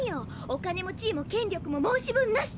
お金も地位も権力も申し分なし。